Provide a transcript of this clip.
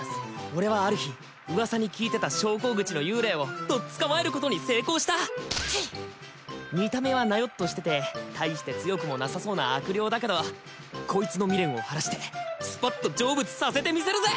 俺はある日噂に聞いてた昇降口の幽霊をとっ捕まえることに成功したペッ見た目はナヨッとしてて大して強くもなさそうな悪霊だけどこいつの未練を晴らしてスパッと成仏させてみせるぜ！